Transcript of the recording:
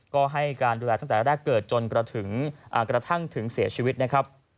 ก็ให้การดูแลตั้งแต่แรกเกิดจนกระทั่งถึงเสียชีวิตนะครับ